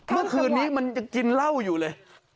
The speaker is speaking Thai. เมื่อคืนนี้มันยังกินเหล้าอยู่เลย